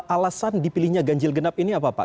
alasan dipilihnya kanyukenap ini apa pak